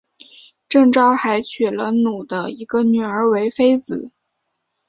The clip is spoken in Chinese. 郑昭还娶了努的一个女儿为妃子。